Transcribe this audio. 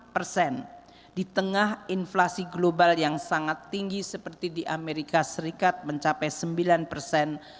tiga puluh persen di tengah inflasi global yang sangat tinggi seperti di amerika serikat mencapai sembilan persen